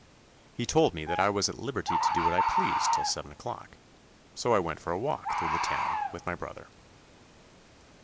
He told me that I was at liberty to do what I pleased till seven o'clock, so I went for a walk through the town with my brother.